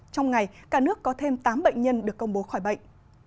trong ngày cả nước có thêm tám bệnh nhân được công bố khỏi bệnh